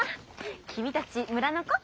君たち村の子？